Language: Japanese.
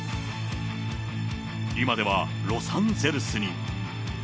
今ではロサンゼルスに。